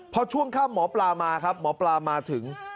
พอช่วงค่ำหมอปลามาครับหมอปลามาถึง